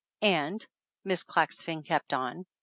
"And " Miss Claxton kept on.